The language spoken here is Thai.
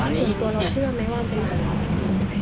๔ตัวเราเชื่อไหมว่าเป็นอะไร